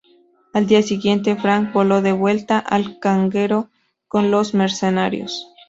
Al día siguiente Frank voló de vuelta al carguero con los mercenarios.